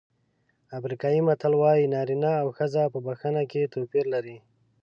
افریقایي متل وایي نارینه او ښځه په بښنه کې توپیر لري.